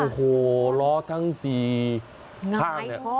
โอ้โหล้อทั้งสี่ข้าง